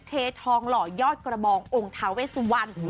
เททองหล่อยอดกระบององค์ทาเวสวัน